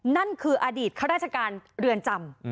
นั่นคืออดีตข้าราชการเรือนจำ